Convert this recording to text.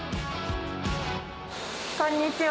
こんにちは。